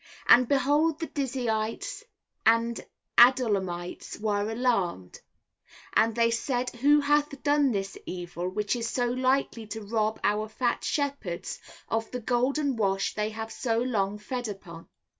And behold the Dizzeyites and Adullamites were alarmed, and they said who hath done this evil which is so likely to rob our fat shepherds of the golden wash they have so long fed upon.